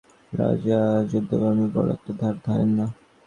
রাজা যুদ্ধবিগ্রহের বড় একটা ধার ধারেন না।